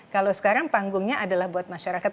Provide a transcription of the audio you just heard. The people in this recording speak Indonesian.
kalau sekarang panggungnya adalah buat masyarakat